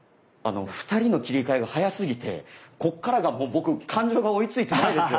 ２人の切り替えが早すぎてこっからがもう僕感情が追いついてないです。